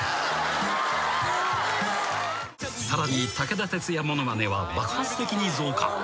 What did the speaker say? ［さらに武田鉄矢ものまねは爆発的に増加］